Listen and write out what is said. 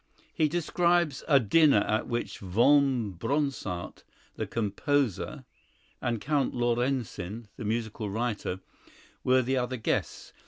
He describes a dinner at which Von Bronsart, the composer, and Count Laurencin, the musical writer, were the other guests.